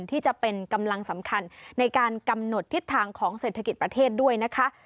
ที่จะเป็นกำลังสำคัญในการกำหนดทิศทางของเศรษฐกิจประเทศด้วยนะคะ